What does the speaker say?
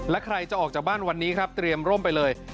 และใครจะออกจากบ้านวันนี้ครับเตรียมร่มไปเลย